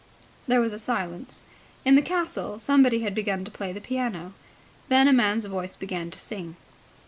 .." There was a silence. In the castle somebody had begun to play the piano. Then a man's voice began to sing.